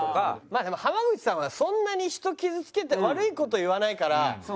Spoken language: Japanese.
まあでも濱口さんはそんなに人傷つけて悪い事言わないから。